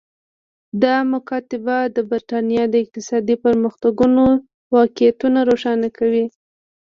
دا مکاتبه د برېټانیا د اقتصادي پرمختګونو واقعیتونه روښانه کوي